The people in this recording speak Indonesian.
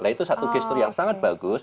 itu satu gesture yang sangat bagus